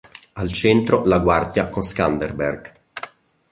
Al centro la guardia con Scanderbeg.